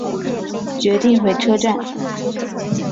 决定回车站